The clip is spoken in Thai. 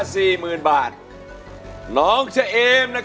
โทรใจโทรใจโทรใจโทรใจโทรใจโทรใจ